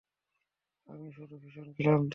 আমি শুধু ভীষণ ক্লান্ত!